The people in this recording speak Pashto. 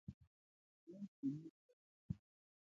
ژوندي امید لري